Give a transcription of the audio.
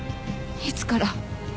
いつから？